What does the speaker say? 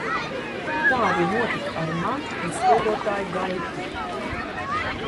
Tā arī notika ar mani un skolotāju Gaiķi.